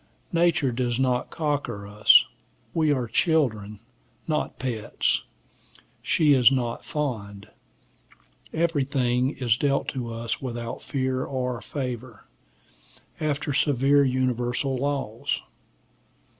Nature does not cocker us: we are children, not pets: she is not fond: everything is dealt to us without fear or favor, after severe universal laws.